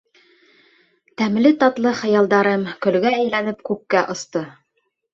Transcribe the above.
Тәмле-татлы хыялдарым, көлгә әйләнеп, күккә осто.